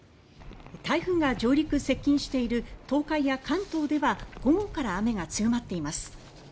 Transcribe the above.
台風が上陸・接近している東海や関東では午後から雨が強まっています。